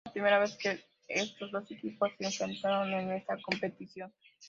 Fue la primera vez que estos dos equipos se enfrentaron en esta competición.